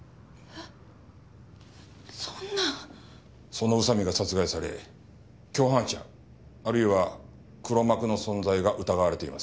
その宇佐美が殺害され共犯者あるいは黒幕の存在が疑われています。